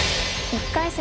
１回戦